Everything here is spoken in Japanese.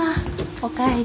お帰り。